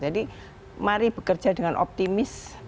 jadi mari bekerja dengan optimis